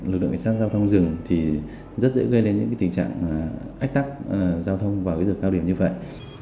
lực lượng cảnh sát giao thông dừng thì rất dễ gây lên những cái tình trạng ách tắc giao thông vào cái giờ cao điểm như vậy